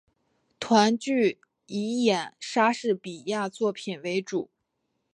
剧团以演出莎士比亚作品为主。